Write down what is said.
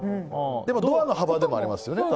でもドアの幅でもありますよね。